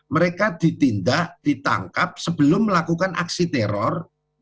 mereka ditindak ditangkap sebelum melakukan aksi teror